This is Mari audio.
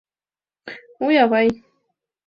Уй, авай!